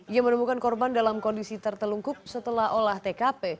ia menemukan korban dalam kondisi tertelungkup setelah olah tkp